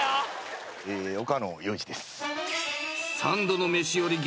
岡野陽一です。